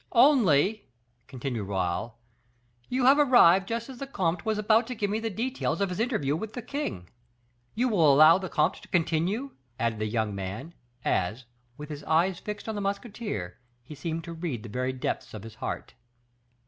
"Only," continued Raoul, "you have arrived just as the comte was about to give me the details of his interview with the king. You will allow the comte to continue?" added the young man, as, with his eyes fixed on the musketeer, he seemed to read the very depths of his heart.